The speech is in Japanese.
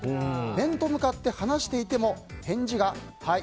面と向かって話していても返事が、はい。